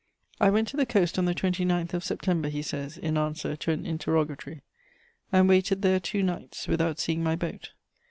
"I went to the coast on the 29th of September," he says, in answer to an interrogatory, "and waited there two nights, without seeing my boat.